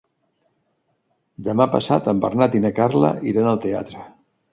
Demà passat en Bernat i na Carla iran al teatre.